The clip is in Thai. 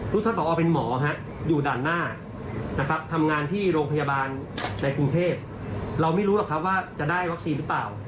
ท่านบอกว่าเป็นหมออยู่ด่านหน้านะครับทำงานที่โรงพยาบาลในกรุงเทพเราไม่รู้หรอกครับว่าจะได้วัคซีนหรือเปล่า